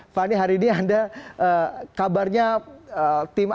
fani hari ini ada kabarnya tim agus